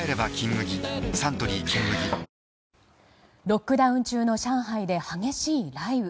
ロックダウン中の上海で激しい雷雨。